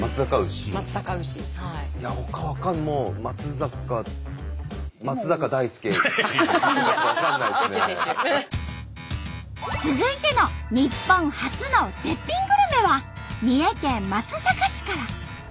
まつざか続いての日本初の絶品グルメは三重県松阪市から。